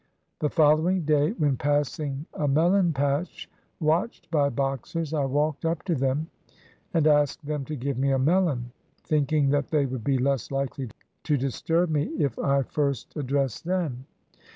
The following day, when passing a melon patch watched by Boxers, I walked up to them and asked them to give me a melon, thinking that they would be less likely to disturb me if I first addressed them.